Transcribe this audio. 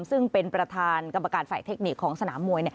ซึ่งเป็นประธานกรรมการฝ่ายเทคนิคของสนามมวย